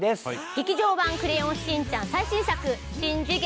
『劇場版クレヨンしんちゃん』最新作『しん次元！